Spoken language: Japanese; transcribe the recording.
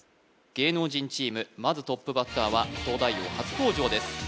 芸能人チームまずトップバッターは「東大王」初登場です